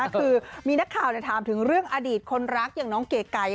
คือมีนักข่าวถามถึงเรื่องอดีตคนรักอย่างน้องเก๋ไก่